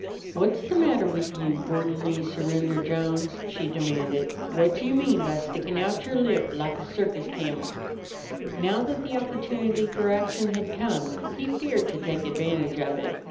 "Whut's the matter with you, Gordon Lee Surrender Jones?" she demanded. "Whut you mean by stickin' out yer lip lak a circus camel?" Now that the opportunity for action had come, he feared to take advantage of it.